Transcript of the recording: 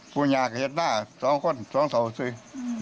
ปูยากับเห็ดหน้า๒คน๒สาวซึ่ง